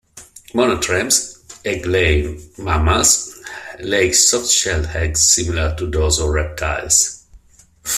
Monotremes, egg-laying mammals, lay soft-shelled eggs similar to those of reptiles.